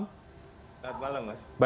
selamat malam pak